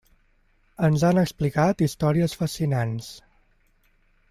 Ens han explicat històries fascinants.